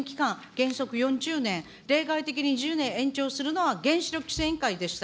原則４０年、例外的に１０年延長するのは原子力規制委員会でした。